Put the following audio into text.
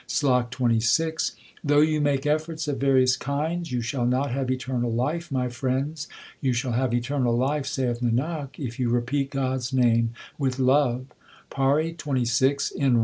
SLOK XXVI Though you make efforts of various kinds, you shall not have eternal life, my friends. You shall have eternal life, saith Nanak, if you repeat God s name with love. PAURI XXVI N Y.